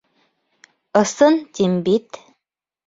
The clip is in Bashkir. — Ысын, тим бит.